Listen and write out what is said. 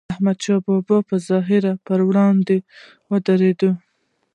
احمدشاه بابا به د ظلم پر وړاندې ودرید.